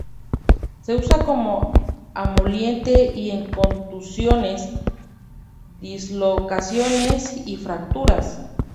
Se usa como emoliente y en contusiones, dislocaciones y fracturas.